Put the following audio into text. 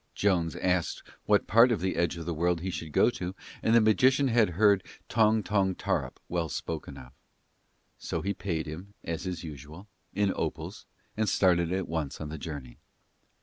Jones asked what part of the Edge of the World he should go to, and the magician had heard Tong Tong Tarrup well spoken of; so he paid him, as is usual, in opals, and started at once on the journey.